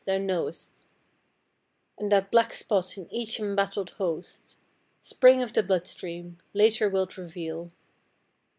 Thou know'st; And that black spot in each embattled host, Spring of the blood stream, later wilt reveal.